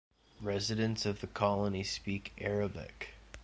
Residents of the Colony speak Arabic.